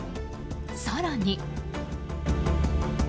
更に。